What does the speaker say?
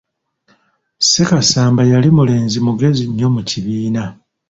Sekasamba yali mulenzi mugezi nnyo mu kibiina.